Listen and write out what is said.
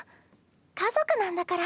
家族なんだから。